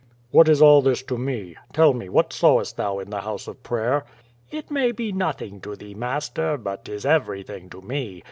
What is all this to me? Tell me, what sawest thou in the house of prayer?" It may be nothing to thee, master, but 'tis everything to me.